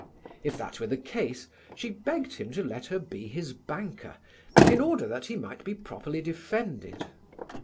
If that were the case she begged him to let her be his banker, in order that he might be properly defended.